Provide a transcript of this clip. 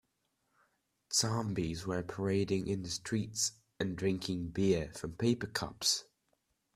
Zombies were parading in the streets and drinking beer from paper cups.